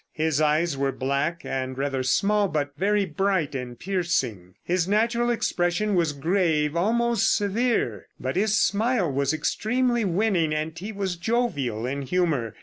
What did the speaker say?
His eyes were black and rather small, but very bright and piercing. His natural expression was grave, almost severe, but his smile was extremely winning, and he was jovial in humor.